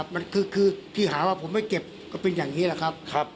มันคือที่หาว่าผมไม่เก็บก็เป็นอย่างนี้แหละครับ